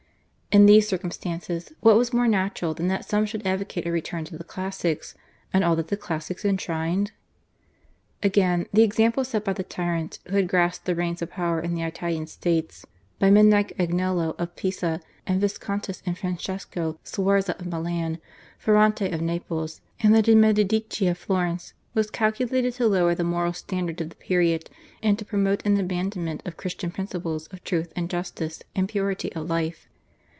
In these circumstances what was more natural than that some should advocate a return to the classics and all that the classics enshrined? Again, the example set by the tyrants who had grasped the reins of power in the Italian States, by men like Agnello of Pisa, the Viscontis and Francesco Sforza of Milan, Ferrante of Naples, and the de' Medici of Florence, was calculated to lower the moral standard of the period, and to promote an abandonment of Christian principles of truth, and justice, and purity of life.